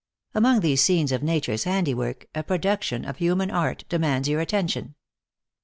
Among these scenes of nature s handiwork, a pro duction of human art demands your attention.